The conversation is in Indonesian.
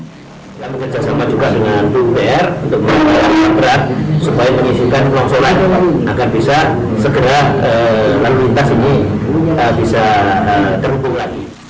kita bekerjasama juga dengan bumdr untuk memperbaiki rumah yang berat supaya mengisikan longsoran agar bisa segera lalu lintas ini bisa terhubung lagi